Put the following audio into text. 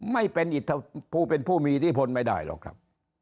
ไม่เป็นผู้มีอิทธิพลไม่ได้หรอกครับ